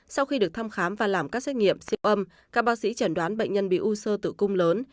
sau khi được thăm khám và làm các xét nghiệm siêu âm các bác sĩ chẩn đoán bệnh nhân bị u sơ tử cung lớn